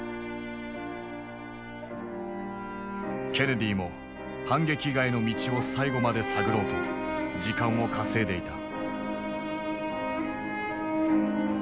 ケネディも反撃以外の道を最後まで探ろうと時間を稼いでいた。